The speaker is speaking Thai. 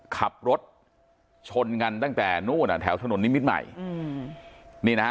ขับรถชนกันตั้งแต่นู่นอ่ะแถวถนนนิมิตรใหม่อืมนี่นะฮะ